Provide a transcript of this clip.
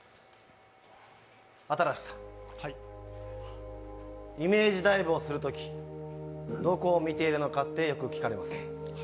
新子さん、イメージダイブをするときどこを見てるかってよく聞かれます。